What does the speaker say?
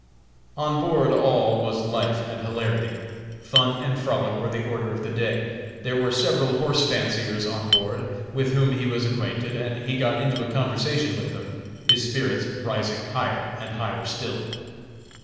On board all was life and hilarity. Fun and frolic were the order of the day. There were several horse fanciers on board, with whom he was acquainted, and he got into a conversation with them, his spirits rising higher and higher still.